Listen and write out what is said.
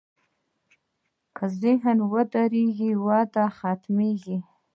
که ذهن ودرېږي، وده ختمېږي.